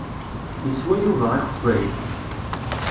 Yeswa Yuba akeffay.